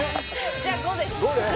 じゃあ５です